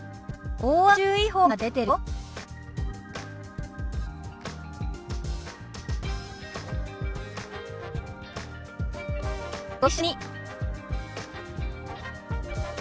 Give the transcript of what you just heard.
大雨注意報が出てるよ。